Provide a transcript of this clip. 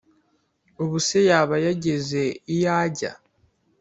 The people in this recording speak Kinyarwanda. Ubuse yaba yageze iyo ajya